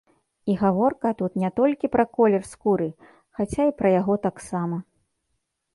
І гаворка тут не толькі пра колер скуры, хаця і пра яго таксама.